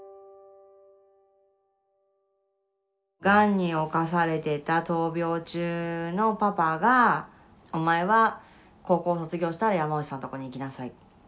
がんに侵されてた闘病中のパパが「お前は高校卒業したら山内さんのとこに行きなさい」。